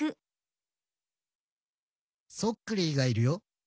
そっクリーがいるよ